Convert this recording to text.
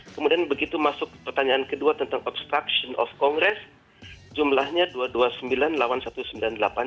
kemudian begitu masuk pertanyaan kedua tentang obstruction of congress jumlahnya dua ratus dua puluh sembilan lawan satu ratus sembilan puluh delapan